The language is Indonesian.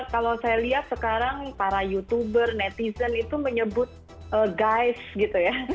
kalau saya lihat sekarang para youtuber netizen itu menyebut guys gitu ya